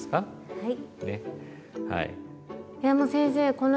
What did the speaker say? はい。